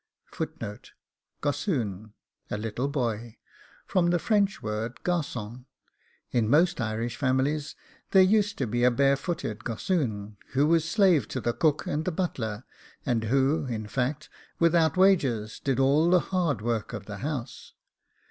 GOSSOON: a little boy from the French word garçon. In most Irish families there used to be a barefooted gossoon, who was slave to the cook and the butler, and who, in fact, without wages, did all the hard work of the house.